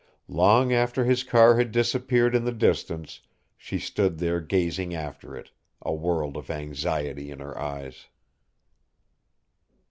Long after his car had disappeared in the distance she stood there gazing after it, a world of anxiety in her eyes.